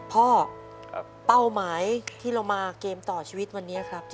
เป้าหมายที่เรามาเกมต่อชีวิตวันนี้ครับ